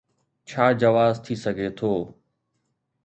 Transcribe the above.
ڇا جواز ٿي سگهي ٿو؟'